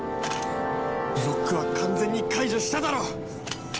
ロックは完全に解除しただろ！